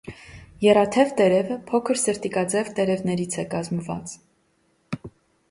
Եռաթև տերևը փոքր սրտիկաձև տերևներից է կազմված։